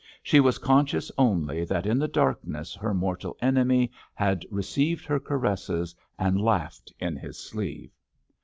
She was conscious only that in the darkness her mortal enemy had received her caresses, and laughed in his sleeve.